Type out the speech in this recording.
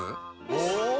お！